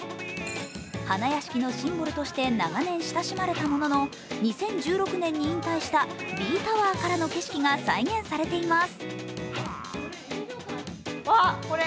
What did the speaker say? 花やしきのシンボルとして長年親しまれたものの２０１６年に引退したＢｅｅタワーからの景色が再現されています。